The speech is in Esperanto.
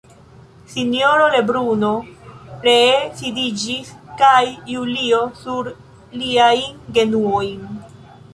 Sinjoro Lebruno ree sidiĝis kaj Julio sur liajn genuojn.